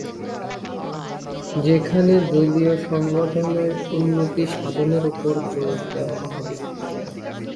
সেখানে দলীয় সংগঠনের উন্নতিসাধনের ওপর জোর দেওয়া হয়।